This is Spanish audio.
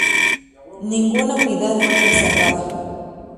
Ninguna unidad fue preservada.